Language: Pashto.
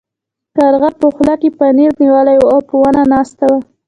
کارغه په خوله کې پنیر نیولی و او په ونه ناست و.